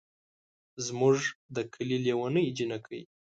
زمونږ ده کلي لېوني جينکۍ